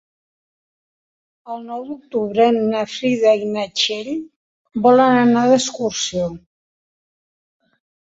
El nou d'octubre na Frida i na Txell volen anar d'excursió.